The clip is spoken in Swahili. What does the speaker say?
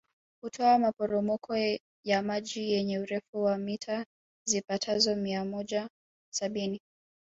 Hutoa maporomoko ya maji yenye urefu wa mita zipatazo mia moja sabini